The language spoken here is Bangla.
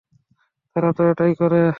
তারা তো এটাই করে।